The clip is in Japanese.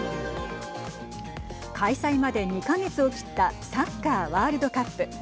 開催まで２か月を切ったサッカーワールドカップ。